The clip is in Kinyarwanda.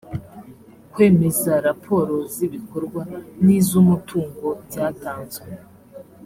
kwemeza raporo z ‘ibikorwa n ‘izumutungo byatanzwe .